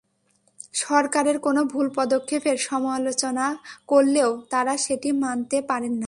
সরকারের কোনো ভুল পদক্ষেপের সমালোচনা করলেও তাঁরা সেটি মানতে পারেন না।